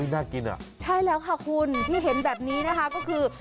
น่ากินอ่ะใช่แล้วค่ะคุณที่เห็นแบบนี้นะคะก็คือ